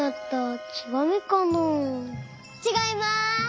ちがいます。